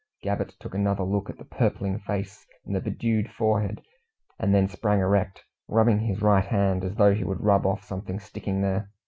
Gabbett took another look at the purpling face and the bedewed forehead, and then sprang erect, rubbing at his right hand, as though he would rub off something sticking there.